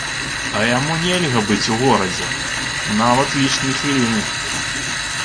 А яму нельга быць у горадзе нават лішняй хвіліны.